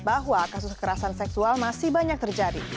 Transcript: bahwa kasus kekerasan seksual masih banyak terjadi